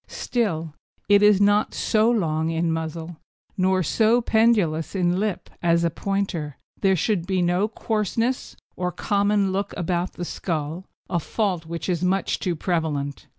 Still, though not so long in muzzle nor so pendulous in lip as a Pointer, there should be no coarseness or common look about the skull, a fault which is much too prevalent.